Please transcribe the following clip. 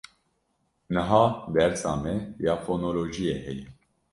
Niha dersa me ya fonolojiyê heye.